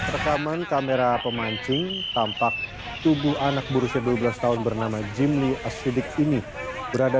rekaman kamera pemancing tampak tubuh anak berusia dua belas tahun bernama jimli asyidik ini berada